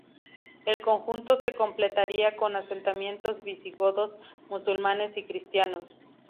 El conjunto se completaría con asentamientos visigodos, musulmanes y cristianos.